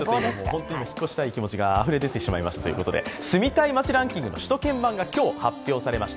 引っ越したい気持ちがあふれていますということで住みたい街ランキングの首都圏版が今日、発表されました。